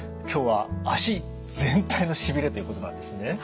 今日は足全体のしびれということなんですね。